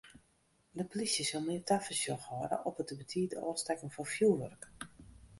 De polysje sil mear tafersjoch hâlde op it te betiid ôfstekken fan fjoerwurk.